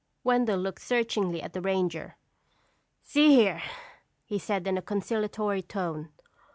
Wendell looked searchingly at the ranger. "See here," he said in a conciliatory tone.